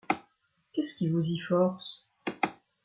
Qu’est-ce qui vous y force ?